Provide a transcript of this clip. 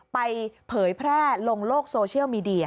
เผยแพร่ลงโลกโซเชียลมีเดีย